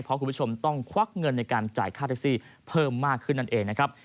เพราะคุณผู้ชมต้องควักเงินในการจ่ายค่าแท็กซี่เพิ่มมากขึ้นนั่นเองนะครับ